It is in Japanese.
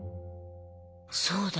そうだ。